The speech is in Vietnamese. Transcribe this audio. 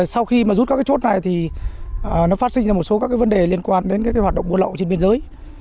sau khi rút các chốt này nó phát sinh ra một số vấn đề liên quan đến hoạt động buôn lậu trên biên giới